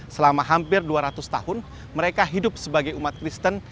selama hampir dua ratus tahun mereka hidup sebagai umat kristen